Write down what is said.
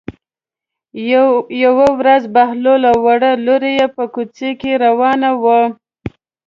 یوه ورځ بهلول او وړه لور یې په کوڅه کې روان وو.